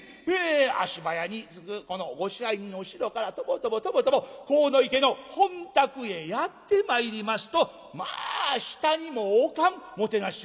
足早にすぐこのご支配人の後ろからとぼとぼとぼとぼ鴻池の本宅へやって参りますとまあ下にも置かんもてなしようでございまして。